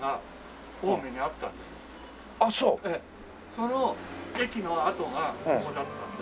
その駅の跡がここだったんで。